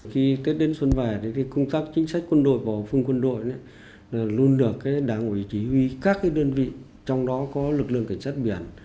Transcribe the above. khi tết đến xuân về công tác chính sách quân đội và phương quân đội luôn được đáng ủi chỉ huy các đơn vị trong đó có lực lượng cảnh sát biển